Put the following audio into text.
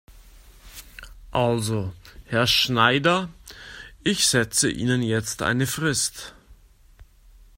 Also Herr Schneider, ich setze Ihnen jetzt eine Frist.